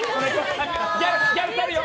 ギャル帰るよ！